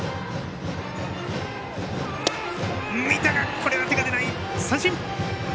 これは手が出ない、三振。